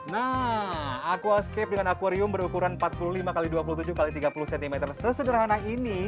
nah aquascape dengan akwarium berukuran empat puluh lima x dua puluh tujuh x tiga puluh cm sesederhana ini